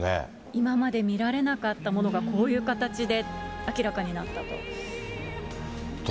今まで見られなかったものが、こういう形で明らかになったと。